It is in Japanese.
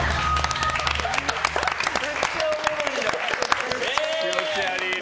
めっちゃおもろいじゃん。